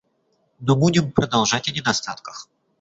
Но будем продолжать о недостатках.